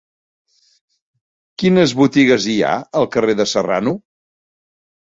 Quines botigues hi ha al carrer de Serrano?